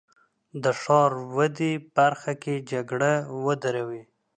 د ښار په دې برخه کې جګړه ودروي.